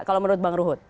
kalau menurut bang ruhut